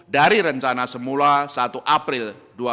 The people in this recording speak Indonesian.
dari rencana semula satu april dua ribu dua puluh